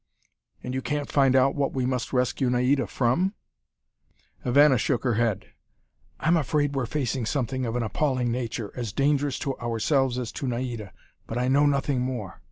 "And you can't find out what we must rescue Naida from?" Ivana shook her head. "I'm afraid we're facing something of an appalling nature, as dangerous to ourselves as to Naida. But I know nothing more."